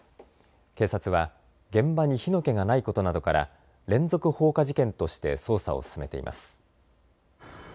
警察は現場に火の気がないことなどから連続放火事件として捜査を進めています。